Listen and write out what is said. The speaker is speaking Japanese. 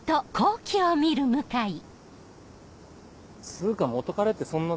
つうか元カレってそんな。